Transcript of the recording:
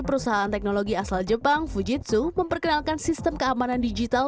perusahaan teknologi asal jepang fujitsu memperkenalkan sistem keamanan digital